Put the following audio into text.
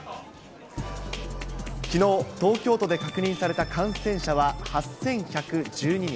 きのう、東京都で確認された感染者は８１１２人。